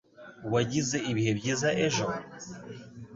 Wagize ibihe byiza ejo?